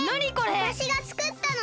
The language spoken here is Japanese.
わたしがつくったの！